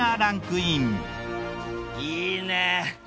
いいね。